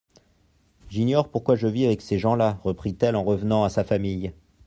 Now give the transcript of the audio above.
J'ignore pourquoi je vis avec ces gens-là, reprit-elle en revenant à sa famille.